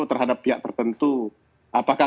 terhadap pihak tertentu apakah